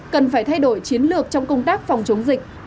cần phải thay đổi chiến lược trong công tác phòng chống dịch